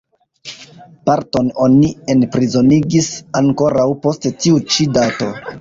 Parton oni enprizonigis ankoraŭ post tiu ĉi dato.